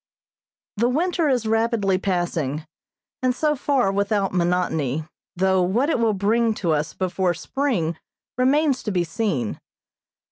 The winter is rapidly passing, and so far without monotony, though what it will bring to us before spring remains to be seen.